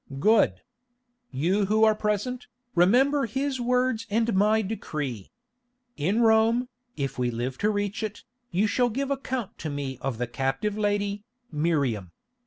"Good. You who are present, remember his words and my decree. In Rome, if we live to reach it, you shall give account to me of the captive lady, Miriam.